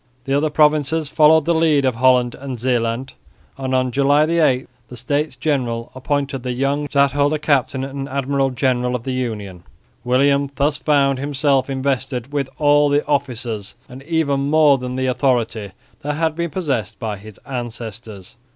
The other provinces followed the lead of Holland and Zeeland; and on July 8 the States General appointed the young stadholder captain and admiral general of the Union. William thus found himself invested with all the offices and even more than the authority that had been possessed by his ancestors.